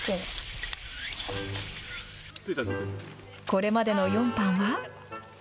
これまでの４班は。